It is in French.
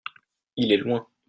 il est loin.